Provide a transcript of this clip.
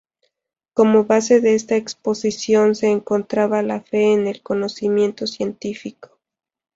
Como base de esta exposición, se encontraba la fe en el conocimiento científico.